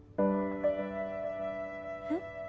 えっ？